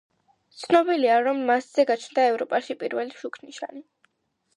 ცნობილია, რომ მასზე გაჩნდა ევროპაში პირველი შუქნიშანი.